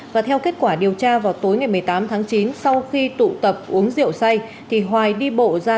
và theo kết quả điều tra vào tối ngày một mươi tám tháng chín sau khi tụ tập uống rượu say thì hoài đi bộ ra